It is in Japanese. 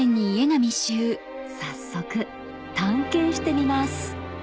早速探検してみます